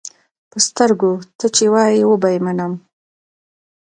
پۀ سترګو، تۀ چې وایې وبۀ یې منم.